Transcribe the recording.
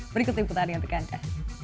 berikut inputannya untuk anda